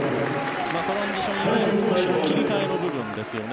トランジションの切り替えの部分ですよね。